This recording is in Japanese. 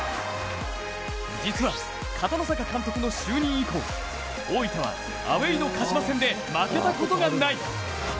実は片野坂監督の就任以降、大分はアウェーの鹿島戦で負けたことがない。